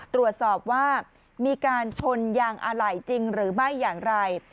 ตรวจสอบว่ามีการชนยางอะไหล่จริงหรือไม่อย่างไร